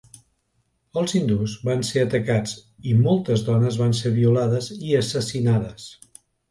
Els hindús van ser atacats i moltes dones van ser violades i assassinades.